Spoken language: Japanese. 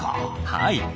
はい。